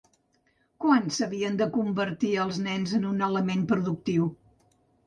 Quan s'havien de convertir els nens en un element productiu?